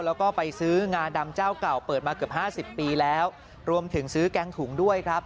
แล้วก็ไปซื้องาดำเจ้าเก่าเปิดมาเกือบห้าสิบปีแล้วรวมถึงซื้อแกงถุงด้วยครับ